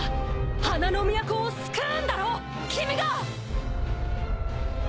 花の都を救うんだろ君が！